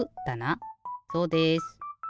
そうです。